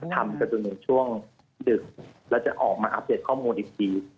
ทำกันจนถึงช่วงดึกแล้วจะออกมาอัปเดตข้อมูลอีกที